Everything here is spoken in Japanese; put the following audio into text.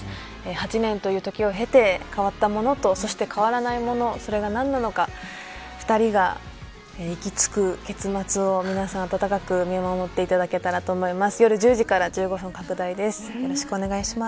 ８年という時を経て変わったものと変わらないもの、それが何なのか２人が行き着く結末を皆さん暖かく見守っていただければと思います。